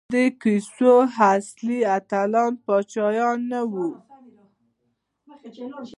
د دې کیسو اصلي اتلان پاچاهان نه وو.